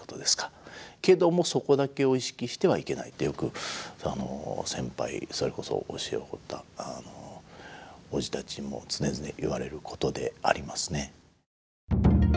けどもそこだけを意識してはいけないってよく先輩それこそ教えを乞うたおじたちにも常々言われることでありますね。